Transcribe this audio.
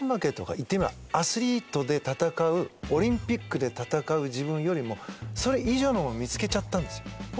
言ってみればアスリートで戦うオリンピックで戦う自分よりもそれ以上のもの見つけちゃったんですよ。